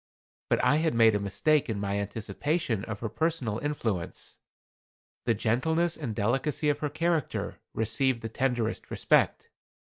But I had made a mistake in my anticipation of her personal influence. The gentleness and delicacy of her character received the tenderest respect.